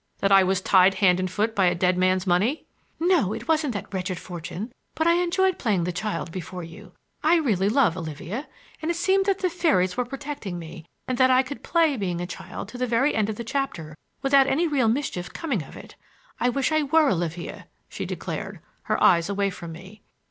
"That I was tied hand and foot by a dead man's money?" "No, it wasn't that wretched fortune; but I enjoyed playing the child before you—I really love Olivia—and it seemed that the fairies were protecting me and that I could play being a child to the very end of the chapter without any real mischief coming of it. I wish I were Olivia!" she declared, her eyes away from me.